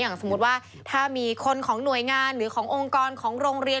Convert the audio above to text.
สมมุติว่าถ้ามีคนของหน่วยงานหรือขององค์กรของโรงเรียน